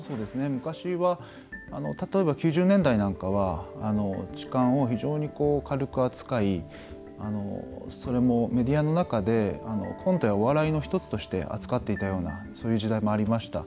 昔は、例えば９０年代なんかは痴漢を非常に軽く扱いそれもメディアの中でコントやお笑いの１つとして扱っていたようなそういう時代もありました。